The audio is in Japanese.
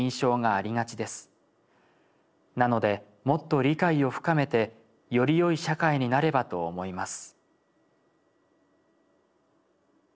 なのでもっと理解を深めてよりよい社会になればと思います」。